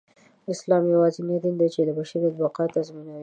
اسلام يواځينى دين دى، چې د بشریت بقاﺀ تضمينوي.